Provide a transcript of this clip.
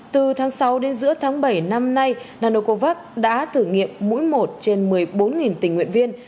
từ tháng sáu đến giữa tháng bảy năm nay nanocovax đã thử nghiệm mũi một trên một mươi bốn tình nguyện viên